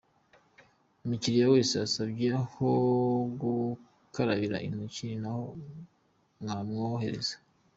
Umukiriya wese usabye aho gukarabira intoki ni ho bamwohereza.